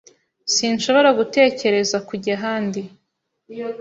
sinshobora gutekereza kujya ahandi